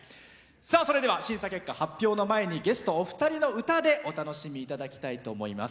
それでは審査結果発表の前にゲストお二人の歌でお楽しみいただきたいと思います。